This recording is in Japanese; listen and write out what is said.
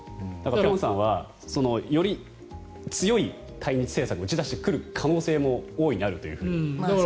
辺さんはより強い対日政策を打ち出してくる可能性も大いにあるというふうに言っていましたね。